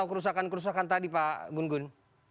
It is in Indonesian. kerusakan kerusakan tadi pak gun gun